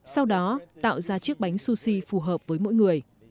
sau đó tạo ra chiếc bánh sushi phù hợp với mỗi người